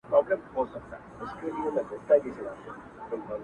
• هم له پنده څخه ډکه هم ترخه ده,